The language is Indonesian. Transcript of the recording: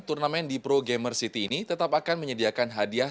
turnamen di pro gamer city ini tetap akan menyediakan hadiah